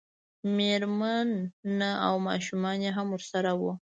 مېرمنه او ماشومان یې هم ورسره وو.